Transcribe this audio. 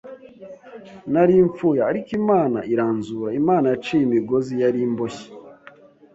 Nari mfuye, ariko Imana iranzura! Imana yaciye imigozi yari imboshye,